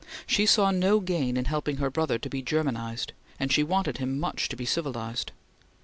She saw no gain in helping her brother to be Germanized, and she wanted him much to be civilized.